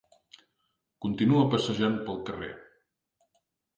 Continua passejant pel carrer.